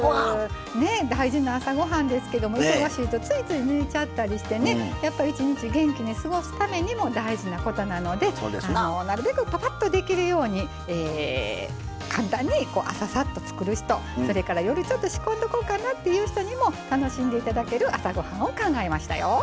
大事な朝ごはんですけどついつい抜いちゃったりしてやっぱり一日元気に過ごすためにも大事なことなのでなるべくぱぱっとできるように簡単に朝サッと作る人夜、ちょっと仕込んでおこうかなという人にも楽しんでいただける朝ごはんを考えましたよ。